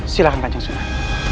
silahkan kanjeng sultan